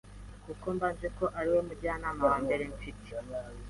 kuko mba nzi ko ariwe mujyanama wa mbere mfite.